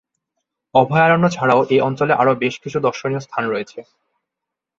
অভয়ারণ্য ছাড়াও এই অঞ্চলে আরো বেশ কিছু দর্শনীয় স্থান রয়েছে।